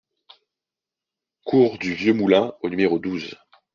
Cours du Vieux Moulin au numéro douze